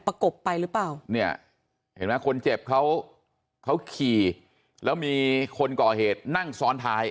กบไปหรือเปล่าเนี่ยเห็นไหมคนเจ็บเขาเขาขี่แล้วมีคนก่อเหตุนั่งซ้อนท้าย